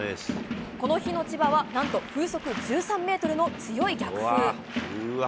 この日の千葉はなんと風速１３メートルの強い逆風。